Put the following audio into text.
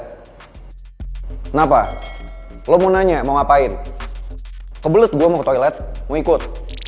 kenapa lo mau nanya mau ngapain kebelet gue mau toilet mau ikut